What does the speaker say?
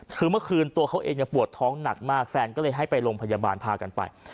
คือเมื่อคืนตัวเขาเองยังปวดท้องหนักมากแฟนก็เลยให้ไปโรงพยาบาลพากันไป